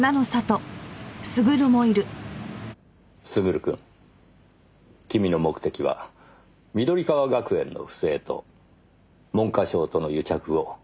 優くん君の目的は緑川学園の不正と文科省との癒着を暴く事でした。